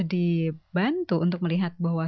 dibantu untuk melihat bahwa